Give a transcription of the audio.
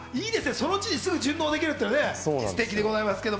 その地にすぐ順応できるっていうのはステキでございますけど。